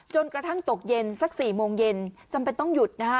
จนกระทั่งตกเย็นสัก๔โมงเย็นจำเป็นต้องหยุดนะฮะ